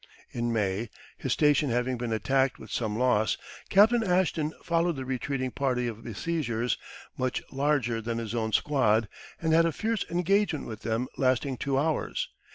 In May, his station having been attacked with some loss, Captain Ashton followed the retreating party of besiegers, much larger than his own squad, and had a fierce engagement with them lasting two hours.